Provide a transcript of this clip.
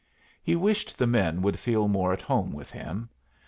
He wished the men would feel more at home with him.